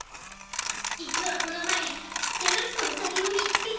実はこの前ケガしたウサギを見つけて。